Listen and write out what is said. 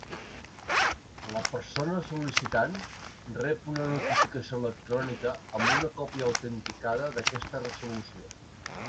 La persona sol·licitant rep una notificació electrònica amb una còpia autenticada d'aquesta resolució.